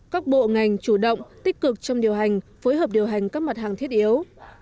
các bộ ngành chủ động tích cực trong điều hành phối hợp điều hành các mặt hàng thiết yếu